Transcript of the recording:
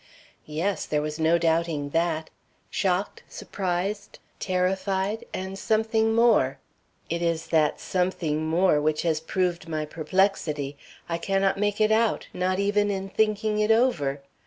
"Yes, there was no doubting that. Shocked, surprised, terrified, and something more. It is that something more which has proved my perplexity. I cannot make it out, not even in thinking it over.